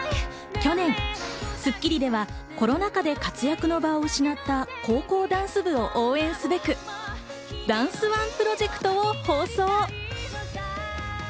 去年『スッキリ』ではコロナ禍で活躍の場を失った高校ダンス部を応援すべくダンスＯＮＥプロジェクトを放送。